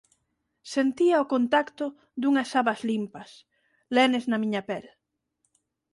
Sentía o contacto dunhas sabas limpas, lenes na miña pel.